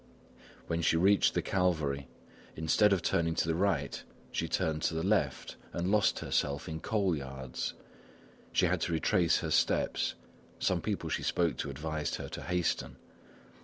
When she reached the Calvary, instead of turning to the right, she turned to the left and lost herself in coal yards; she had to retrace her steps; some people she spoke to advised her to hasten.